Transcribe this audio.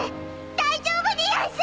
大丈夫でやんす！